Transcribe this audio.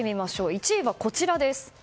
１位はこちらです。